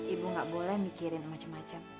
ibu gak boleh mikirin macam macam